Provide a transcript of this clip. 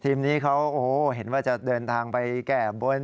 ทีมนี้เขาโอ้โหเห็นว่าจะเดินทางไปแก้บน